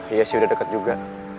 iya sih udah dekat juga